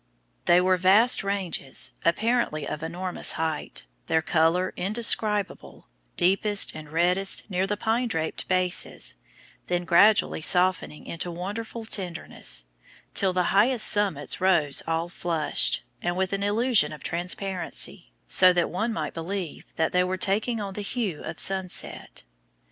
They were vast ranges, apparently of enormous height, their color indescribable, deepest and reddest near the pine draped bases, then gradually softening into wonderful tenderness, till the highest summits rose all flushed, and with an illusion of transparency, so that one might believe that they were taking on the hue of sunset.